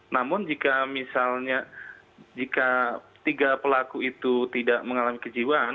namun jika misalnya jika tiga pelaku itu tidak mengalami kejiwaan